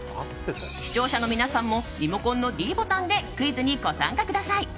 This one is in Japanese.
視聴者の皆さんもリモコンのｄボタンでクイズにご参加ください。